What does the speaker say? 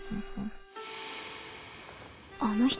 あの人